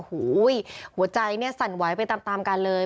โหหัวใจสั่นไหวไปตามกันเลย